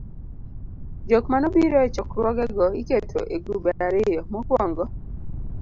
jokmanobiro e chokruogego iketo e grube ariyo: mokuongo